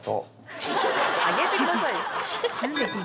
あげてくださいよ